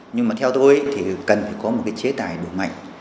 nhưng mà theo tôi thì cần phải có một cái chế tài đủ mạnh